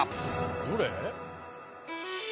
どれ？